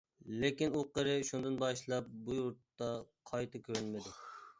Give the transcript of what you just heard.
لېكىن ئۇ قېرى شۇندىن باشلاپ بۇ يۇرتتا قايتا كۆرۈنمىدى.